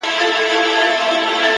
فکر ژور وي نو حلونه واضح وي’